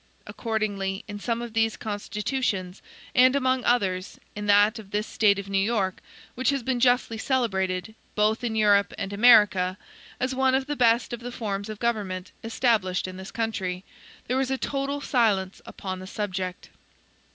Accordingly, in some of these constitutions, and among others, in that of this State of New York, which has been justly celebrated, both in Europe and America, as one of the best of the forms of government established in this country, there is a total silence upon the subject.